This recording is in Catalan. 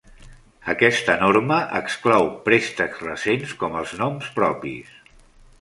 Aquest norma exclou préstecs recents com els noms propis.